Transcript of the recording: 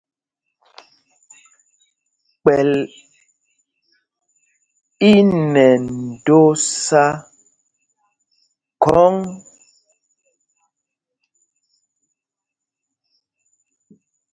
Kpɛ̂l í nɛ ndōsā khɔ́ŋ.